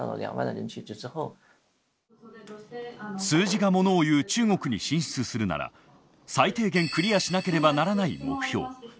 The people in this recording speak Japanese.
数字がものをいう中国に進出するなら最低限クリアしなければならない目標。